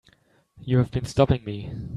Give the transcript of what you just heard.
You have been stopping me.